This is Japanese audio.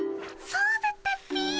そうだったっピィ。